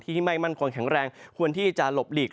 ที่ไม่มั่นคงแข็งแรงควรที่จะหลบหลีก